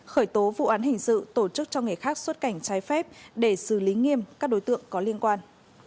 khởi tố vụ án hình sự tổ chức cho người khác xuất cảnh trái phép để xử lý nghiêm các đối tượng có liên quan